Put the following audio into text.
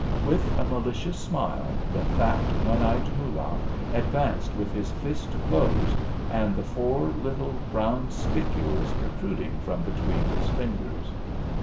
With a malicious smile, the fat, one eyed Moolah advanced with his fist closed, and the four little brown spicules protruding from between his fingers.